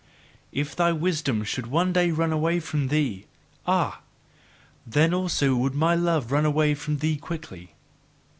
If thy Wisdom should one day run away from thee, ah! then would also my love run away from thee quickly."